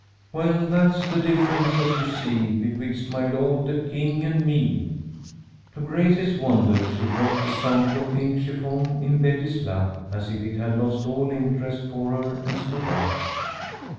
"'Well, that's the difference, as you see, Betwixt my lord the king and me!'" To Grace's wonder, she dropped the sample of pink chiffon in Betty's lap, as if it had lost all interest for her, and stood up.